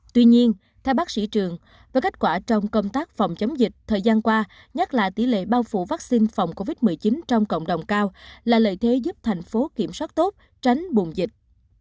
tuy nhiên theo bác sĩ trường với kết quả trong công tác phòng chống dịch thời gian qua nhắc lại tỷ lệ bao phủ vắc xin phòng covid một mươi chín trong cộng đồng cao là lợi thế giúp thành phố kiểm soát tốt tránh bùng dịch